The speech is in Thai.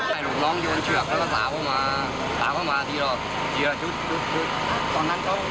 พอสิพ่งแก๊ปตันเนี่ยชุดเนี่ยหลีบศรีคนเนี่ย